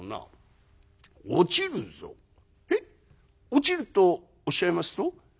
落ちるとおっしゃいますと？」。